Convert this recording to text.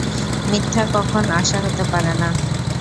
মিথ্যা কখন আশা হতে পারে না।